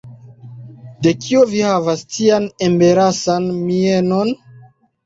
De kio vi havas tian embarasan mienon?